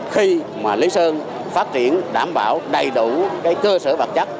khi mà lý sơn phát triển đảm bảo đầy đủ cái cơ sở vật chất